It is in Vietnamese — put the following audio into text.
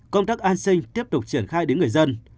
công tác an sinh tiếp tục triển khai đến người dân